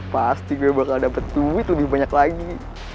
pasti gue bakal dapet duit lebih banyak lagi